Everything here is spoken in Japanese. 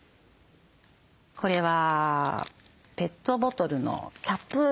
これはペットボトルのキャップ。